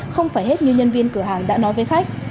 không phải hết như nhân viên cửa hàng đã nói với khách